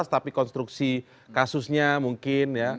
jelas tapi konstruksi kasusnya mungkin